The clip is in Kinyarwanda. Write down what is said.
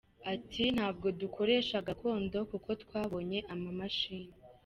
Ati “Ntabwo dukoresha gakondo kuko twabonye amamashini.